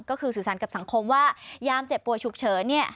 ก็คือสื่อสารกับสังคมว่ายามเจ็บป่วยฉุกเฉินเนี่ย